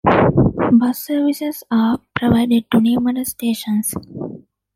Bus services are provided to numerous stations.